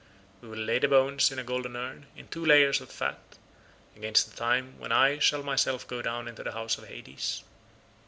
We will lay the bones in a golden urn, in two layers of fat, against the time when I shall myself go down into the house of Hades.